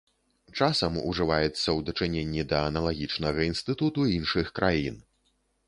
Часам ўжываецца і ў дачыненні да аналагічнага інстытуту іншых краін.